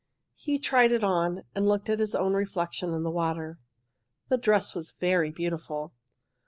He tried it on, and looked at his own reflection in the water. The dress was very beautiful.